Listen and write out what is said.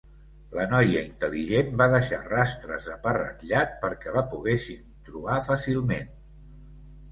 La noia intel·ligent va deixar rastres de pa ratllat perquè la poguéssim trobar fàcilment.